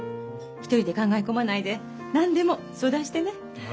一人で考え込まないで何でも相談してね。